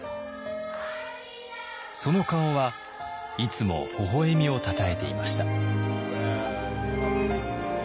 その顔はいつもほほ笑みをたたえていました。